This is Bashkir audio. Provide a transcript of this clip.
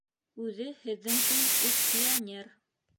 Үҙе, һеҙҙең кеүек үк, пионер.